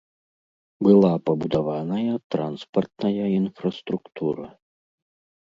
Была пабудаваная транспартная інфраструктура.